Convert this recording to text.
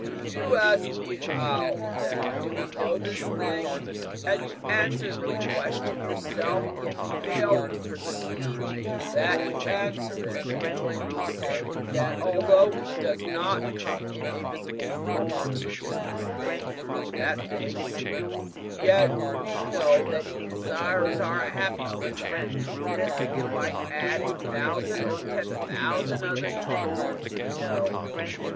"You ask me, How, then, do we know this thing? and you answer the question yourself, yet fail to perceive that you answer it, when you say that although he does not come in a visible form to teach us this thing and that thing, yet we know that he desires our happiness; and to this you might have added a thousand or ten thousand other things which we know.